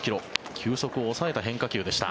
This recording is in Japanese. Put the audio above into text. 球速を抑えた変化球でした。